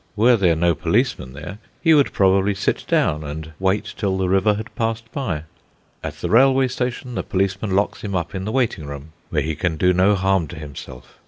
Were there no policeman there, he would probably sit down and wait till the river had passed by. At the railway station the policeman locks him up in the waiting room, where he can do no harm to himself.